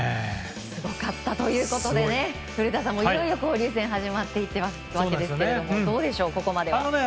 すごかったということで古田さん、いよいよ交流戦始まっていっているわけですがどうでしょう、ここまでは。